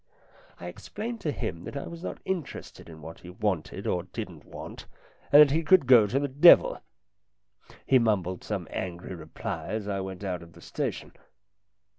I explained to him that I was not interested in what he wanted or didn't want, and that he could go to the devil. He mumbled some angry reply as I went out of the station.